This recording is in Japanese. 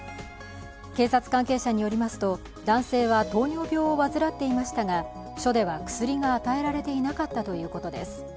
警察関係者によりますと男性は糖尿病を煩っていましたが署では薬が与えられていなかったということです。